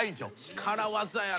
力技やな。